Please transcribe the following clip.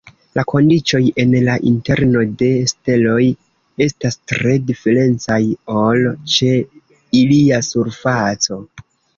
La kondiĉoj en la interno de steloj estas tre diferencaj ol ĉe ilia surfaco.